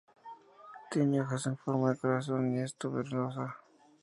Tiene hojas en forma de corazón y es tuberosa.